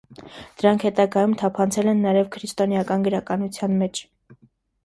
Դրանք հետագայում թափանցել են նաև քրիստոնեական գրականության մեջ։